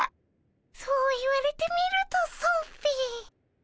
そう言われてみるとそうっピ。